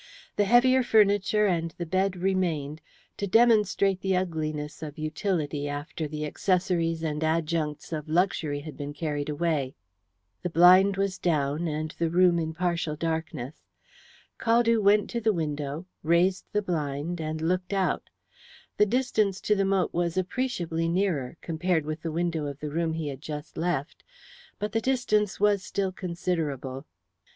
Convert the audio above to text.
The heavier furniture and the bed remained to demonstrate the ugliness of utility after the accessories and adjuncts of luxury had been carried away. The blind was down and the room in partial darkness. Caldew went to the window, raised the blind, and looked out. The distance to the moat was appreciably nearer, compared with the window of the room he had just left, but the distance was still considerable.